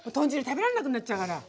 食べられなくなっちゃうから。